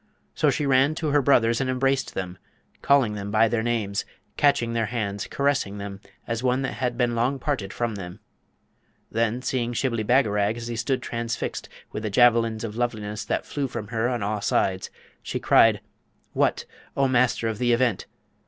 So she ran to her brothers and embraced them, calling them by their names, catching their hands, caressing them as one that had been long parted from them. Then, seeing Shibli Bagarag as he stood transfixed with the javelins of loveliness that flew from her on all sides, she cried: 'What, O Master of the Event!